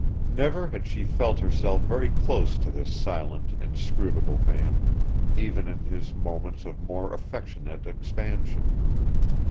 Never had she felt herself very close to this silent, inscrutable man, even in his moments of more affectionate expansion.